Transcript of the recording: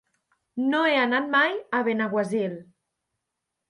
No he anat mai a Benaguasil.